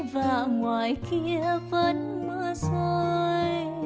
và ngoài kia vẫn mưa rơi